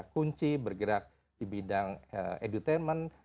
kunci bergerak di bidang edutainment